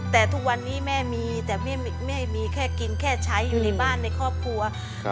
แต่ทุกวันนี้แม่มีแต่แม่มีแค่กินแค่ใช้อยู่ในบ้านในครอบครัว